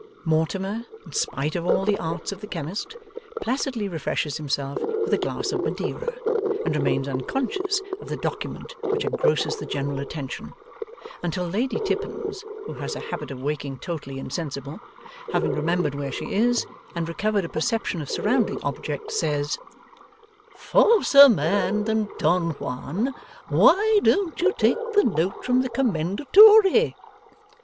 Mortimer, in spite of all the arts of the chemist, placidly refreshes himself with a glass of Madeira, and remains unconscious of the Document which engrosses the general attention, until Lady Tippins (who has a habit of waking totally insensible), having remembered where she is, and recovered a perception of surrounding objects, says: 'Falser man than Don Juan; why don't you take the note from the commendatore?